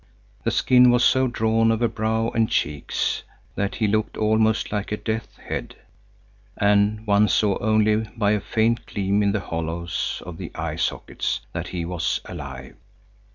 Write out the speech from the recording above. The skin was so drawn over brow and cheeks, that he looked almost like a death's head, and one saw only by a faint gleam in the hollows of the eye sockets that he was alive.